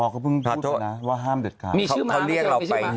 เขาเรียกเราไป